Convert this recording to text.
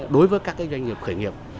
đối với các doanh nghiệp khởi nghiệp